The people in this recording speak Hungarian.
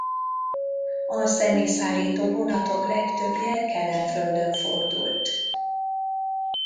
A személyszállító vonatok legtöbbje Kelenföldön fordult.